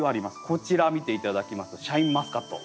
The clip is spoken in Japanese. こちら見て頂きますとシャインマスカット。